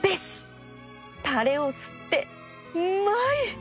たれを吸ってうまい！